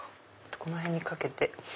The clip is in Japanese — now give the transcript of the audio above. この辺にかけて。